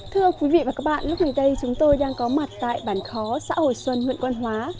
thưa quý vị và các bạn lúc này đây chúng tôi đang có mặt tại bản khó xã hồ xuân huyện quân hóa